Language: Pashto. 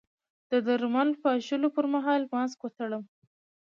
د درمل پاشلو پر مهال ماسک وتړم؟